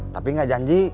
tapi nggak janji